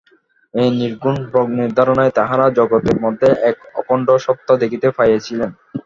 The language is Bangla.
এই নির্গুণ ব্রহ্মের ধারণায় তাঁহারা জগতের মধ্যে এক অখণ্ড সত্তা দেখিতে পাইয়াছিলেন।